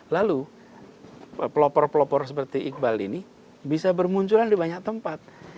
lalu pelopor pelopor seperti iqbal ini bisa bermunculan di banyak tempat